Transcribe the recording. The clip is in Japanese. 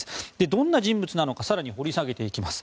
どんな人物なのか更に掘り下げていきます。